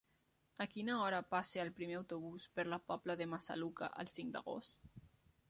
A quina hora passa el primer autobús per la Pobla de Massaluca el cinc d'agost?